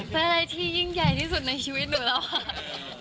เป็นอะไรที่ยิ่งใหญ่ที่สุดในชีวิตหนูแล้วค่ะ